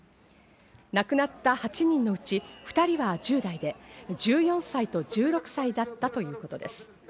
亡くなった８人のうち、２人は１０代で、１４歳と１６歳だったということです。